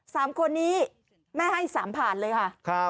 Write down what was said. สามคนนี้แม่ให้สามผ่านเลยค่ะครับ